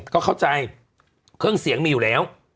ก็เข้าใจเครื่องเสียงมีอยู่แล้ว